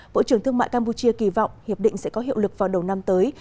bộ trưởng thương mại campuchia kỳ vọng hiệp định sẽ có hiệu lực vào đầu năm tới